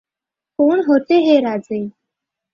कोण होते हे राजे?